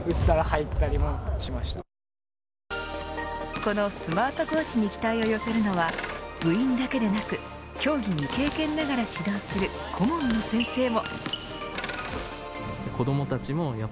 このスマートコーチに期待を寄せるのは部員だけでなく競技未経験ながら指導する顧問の先生も。